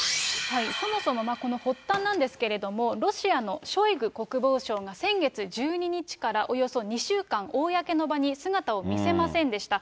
そもそもこの発端なんですけれども、ロシアのショイグ国防相が先月１２日からおよそ２週間、公の場に姿を見せませんでした。